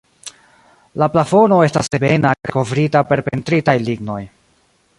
La plafono estas ebena kaj kovrita per pentritaj lignoj.